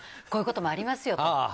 こういうこともありますよって。